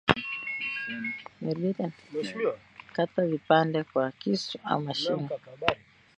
kata vipande kwa kisu au mashine